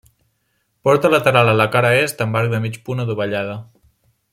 Porta lateral a la cara est amb arc de mig punt adovellada.